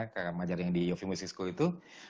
pengajar yang di yofi music school itu